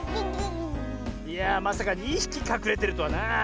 いやあまさか２ひきかくれてるとはなあ。